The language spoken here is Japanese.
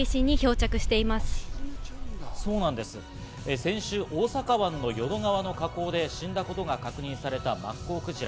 先週、大阪湾の淀川の河口で死んだことが確認されたマッコウクジラ。